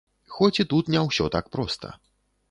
Хоць і тут не ўсё так проста.